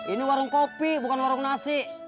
ini warung kopi bukan warung nasi